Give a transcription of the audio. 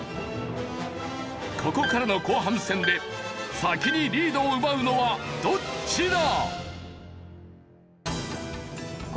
ここからの後半戦で先にリードを奪うのはどっちだ！？